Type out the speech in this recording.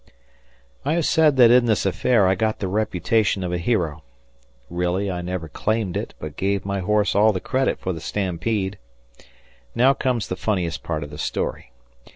I have said that in this affair I got the reputation of a hero; really I never claimed it, but gave my horse all the credit for the stampede. Now comes the funniest part of the story.